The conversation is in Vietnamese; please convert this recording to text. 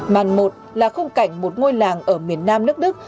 màn một là khung cảnh một ngôi làng ở miền nam nước đức